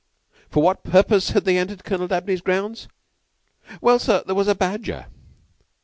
For what purpose had they entered Colonel Dabney's grounds? "Well, sir, there was a badger."